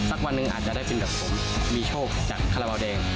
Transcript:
วันหนึ่งอาจจะได้เป็นแบบผมมีโชคจากคาราบาลแดง